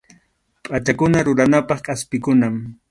Pʼachakuna ruranapaq kʼaspikunam.